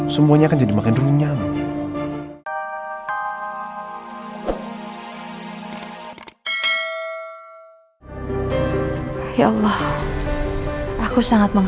semuanya akan jadi makin runyam